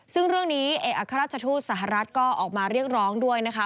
ซึ่งเรื่องนี้เอกอัครราชทูตสหรัฐก็ออกมาเรียกร้องด้วยนะคะ